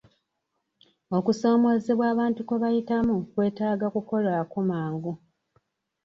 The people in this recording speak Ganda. Okusoomoozebwa abantu kwe bayitamu kwetaaga kukolwako mangu.